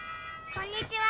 「こんにちは」